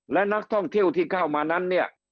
และนักท่องเที่ยวที่เข้ามานั้นเนี่ย